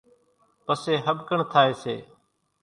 پسيَ ۿٻڪڻ ٿائيَ سي۔